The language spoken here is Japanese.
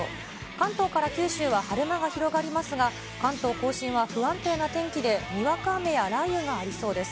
関東から九州は晴れ間が広がりますが、関東甲信は不安定な天気で、にわか雨や雷雨がありそうです。